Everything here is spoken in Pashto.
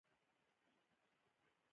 ایا زه باید انځر وخورم؟